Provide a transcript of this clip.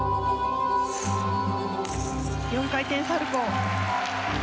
４回転サルコウ。